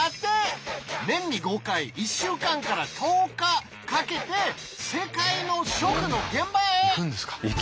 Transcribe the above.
年に５回１週間から１０日かけて世界の食の現場へ！